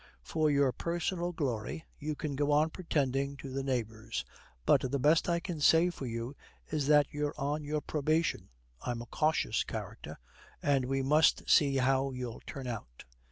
For your personal glory, you can go on pretending to the neighbours; but the best I can say for you is that you're on your probation. I'm a cautious character, and we must see how you'll turn out.'